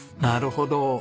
なるほど。